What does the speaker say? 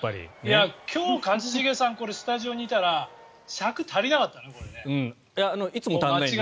今日、一茂さんスタジオにいたら尺足りなかったね。